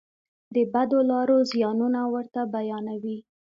د بدو لارو زیانونه ورته بیانوي.